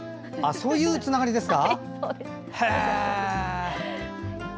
そういうつながりですか。